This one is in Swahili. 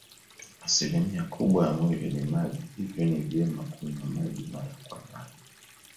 Asilimia kubwa ya mwili ni maji hivyo ni vyema kunywa maji mara kwa mara